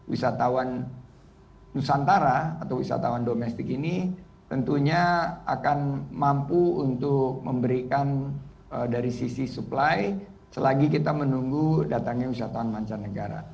wisatawan nusantara atau wisatawan domestik ini tentunya akan mampu untuk memberikan dari sisi supply selagi kita menunggu datangnya wisatawan mancanegara